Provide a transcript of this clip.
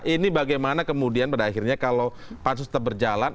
ini bagaimana kemudian pada akhirnya kalau pansus terberjalan